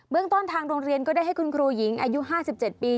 เมืองต้นทางโรงเรียนก็ได้ให้คุณครูหญิงอายุ๕๗ปี